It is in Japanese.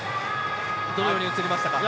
どのように映りましたか？